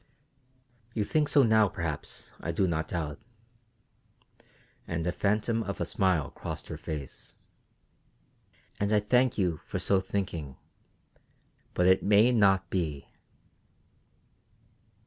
You think so now, perhaps, I do not doubt" and a phantom of a smile crossed her face "and I thank you for so thinking, but it may not be."